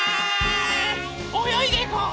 およいでいこう！